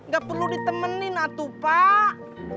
gak perlu ditemenin atu pak